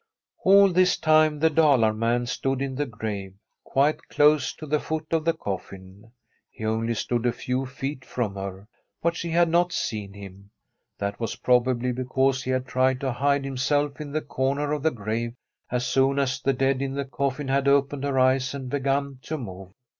All this time the Dalar man stood in the grave, quite close to the foot of the coffin. He only stood a few feet from her, but she had not seen him; that was probably because he had tried to hide himself in the comer of the grave as soon as the dead in the coffin had opened her eyes and begun to move.